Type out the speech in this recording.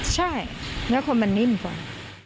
ใช่แล้วคนมันนิ่มกว่า